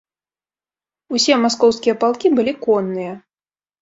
Усе маскоўскія палкі былі конныя.